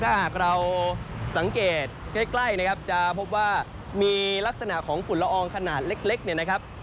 ถ้าหากเราสังเกตใกล้นะครับจะพบว่ามีลักษณะของฝุ่นละอองขนาดเล็กเนี่ยนะครับ